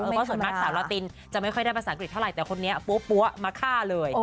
เพราะส่วนมากสาวลาตินจะไม่ค่อยได้ภาษาอังกฤษเท่าไหร่แต่คนนี้ปั๊วมาฆ่าเลย